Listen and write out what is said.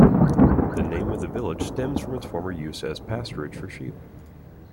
The name of the village stems from its former use as pasturage for sheep.